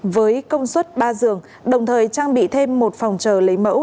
với công suất ba giường đồng thời trang bị thêm một phòng chờ lấy mẫu